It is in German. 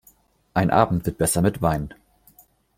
Ein Abend wird besser mit Wein.